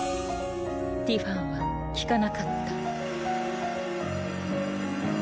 ティファンは聞かなかった。